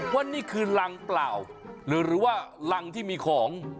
ว่านี่คือรังเปล่าหรือว่ารังที่มีของ